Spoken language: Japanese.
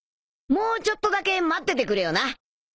もうちょっとだけ待っててくれよな。